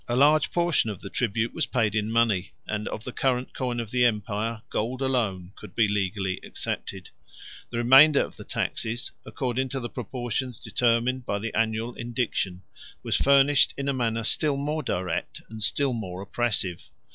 174 A large portion of the tribute was paid in money; and of the current coin of the empire, gold alone could be legally accepted. 175 The remainder of the taxes, according to the proportions determined by the annual indiction, was furnished in a manner still more direct, and still more oppressive.